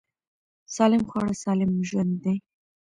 سالم خواړه سالم ژوند دی.